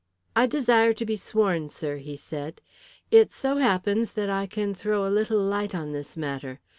"I desire to be sworn, sir," he said. "It so happens that I can throw a little light on this matter.